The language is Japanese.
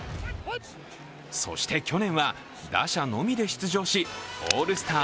そして去年は打者のみで出場しオールスター